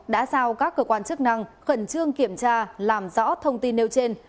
đã giao các cơ quan chức năng khẩn trương kiểm tra làm rõ thông tin nêu trên